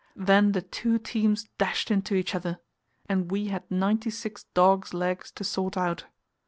Then the two teams dashed into each other, and we had ninety six dogs' legs to sort out.